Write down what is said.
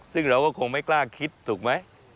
ซึ่งเราก็คงไม่กล้าคิดถูกไหม